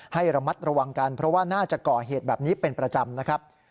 ให้ระมัดระวังกันเพราะว่าน่าจะก่อเหตุแบบนี้เป็นประจำนะครับ